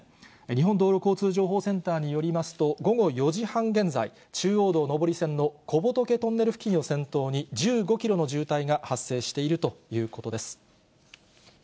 日本道路交通情報センターによりますと、午後４時半現在、中央道上り線の小仏トンネル付近を先頭に１５キロの渋滞が発生しているということです。